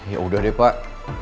ya udah deh pak